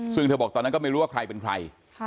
ซึ่งเธอบอกตอนนั้นก็ไม่รู้ว่าใครเป็นใคร